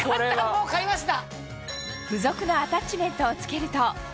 もう買いました。